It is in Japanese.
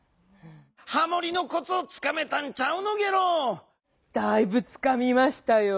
ハモリのコツをつかめたんちゃうのゲロ？だいぶつかみましたよ。